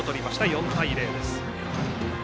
４対０です。